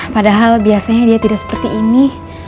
padahal biasanya dia tidak seperti ini